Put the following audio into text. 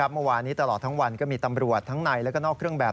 เมื่อวานนี้ตลอดทั้งวันก็มีตำรวจทั้งในและก็นอกเครื่องแบบ